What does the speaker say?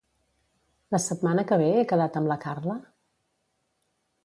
La setmana que ve he quedat amb la Carla?